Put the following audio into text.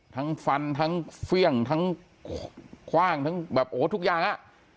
ทั้งฟันทั้งเฟี่ยงทั้งคว่างทั้งแบบโอ้ทุกอย่างอ่ะ